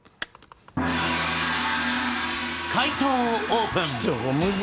解答をオープン。